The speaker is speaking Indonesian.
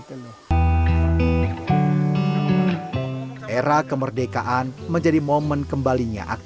era kemerdekaan penjara belanda